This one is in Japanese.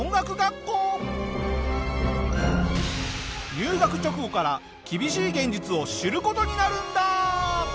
入学直後から厳しい現実を知る事になるんだ！